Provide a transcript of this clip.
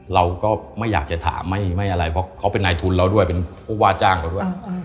เราก็ไม่อยากจะถามไม่อะไรเพราะเขาเป็นนายทุนเราด้วยเป็นผู้ว่าจ้างเราด้วย